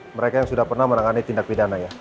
mereka yang sudah pernah menangani tindak pidana ya